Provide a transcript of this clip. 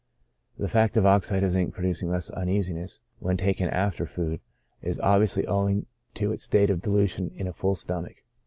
The fact of oxide of zinc producing less uneasiness v^hen taken after food is obviously owing to its state of dilution in a full stomach.